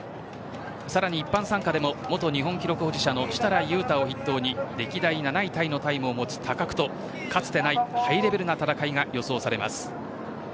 さらに一般参加でも元日本記録保持者の設楽悠太を筆頭に歴代７位タイのタイムを持つ高久とかつてないハイレベルな戦いが期待されます。